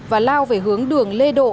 và lao về hướng đường lê độ